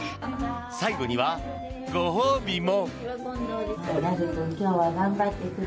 最後にはご褒美も。